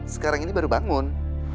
sekarang ini baru bangun